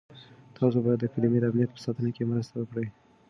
تاسو باید د کلي د امنیت په ساتنه کې مرسته وکړئ.